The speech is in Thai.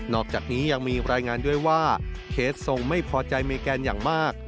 อกจากนี้ยังมีรายงานด้วยว่าเคสทรงไม่พอใจเมแกนอย่างมาก